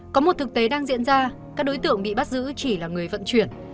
có một thực tế đang diễn ra các đối tượng bị bắt giữ chỉ là người vận chuyển